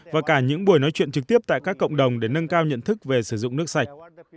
và cả những buổi nói chuyện trực tiếp tại các cộng đồng để nâng cao nhận thức về sử dụng nước sạch